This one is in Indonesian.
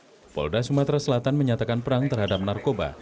kapolda sumatera selatan menyatakan perang terhadap narkoba